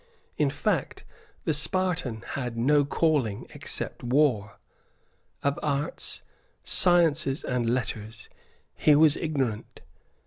In fact, the Spartan had no calling except war. Of arts, sciences and letters he was ignorant.